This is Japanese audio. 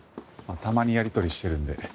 たまにやりとりしてるんで。